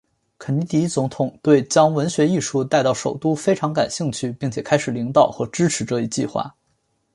肯尼迪总统对将文学艺术带到首都非常感兴趣并且开始领导和支持这一计划。